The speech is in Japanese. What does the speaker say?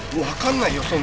分かんないよ